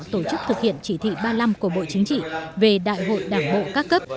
công tác tổ chức thực hiện chỉ thị ba mươi năm của bộ chính trị về đại hội đảng bộ cấp